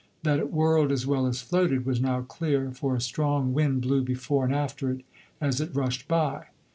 That it whirled as well as floated was now clear, for a strong wind blew before and after it as it rushed by.